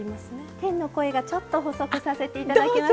天の声がちょっと補足させていただきます。